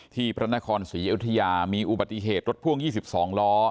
ที่พระนครสุริยาวุฒิยามีอุบัติเหตุรถพ่วง๒๒ล้อ